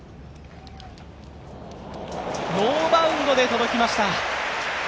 ノーバウンドで届きました。